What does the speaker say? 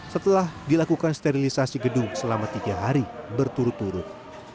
setelah dilakukan sterilisasi gedung selama tiga hari berturut turut